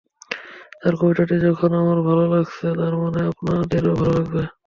আর কবিতাটি যখন আমার ভালো লাগছে, তারমানে আপনাদের ও ভালো লাগবে।